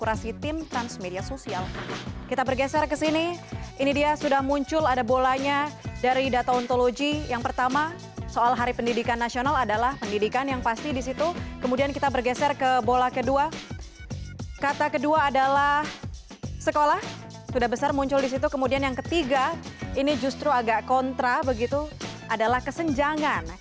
oke teman teman selamat datang di video kemudian yang ketiga ini justru agak kontra begitu adalah kesenjangan